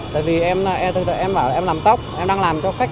hãy đăng ký kênh để nhận thông tin nhất